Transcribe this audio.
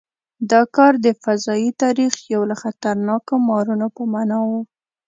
دا کار د فضايي تاریخ یو له خطرناکو مانورونو په معنا و.